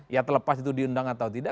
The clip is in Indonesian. ya terlepas itu diundang atau tidak